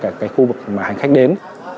các khu vực mà hành khách đến